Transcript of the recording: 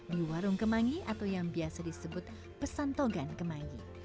di warung kemangi atau yang biasa disebut pesantogan kemangi